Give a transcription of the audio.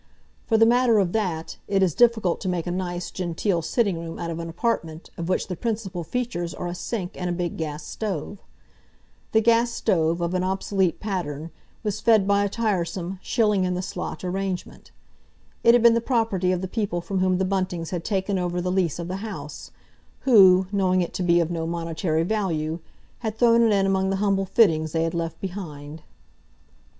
For the matter of that, it is difficult to make a nice, genteel sitting room out of an apartment of which the principal features are a sink and a big gas stove. The gas stove, of an obsolete pattern, was fed by a tiresome, shilling in the slot arrangement. It had been the property of the people from whom the Buntings had taken over the lease of the house, who, knowing it to be of no monetary value, had thrown it in among the humble fittings they had left behind.